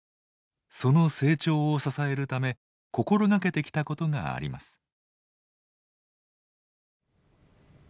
その成長を支えるため心掛けてきたことがあります。